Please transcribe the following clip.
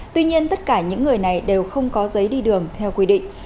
tuy nhiên tất cả những người này đều không có giấy đi đường theo quy định